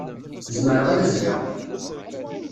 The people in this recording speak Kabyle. Zemreɣ ad azzleɣ.